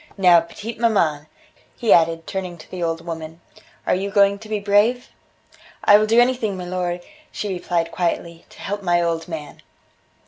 Now, petite maman," he added, turning to the old woman, "are you going to be brave?" "I will do anything, milor," she replied quietly, "to help my old man."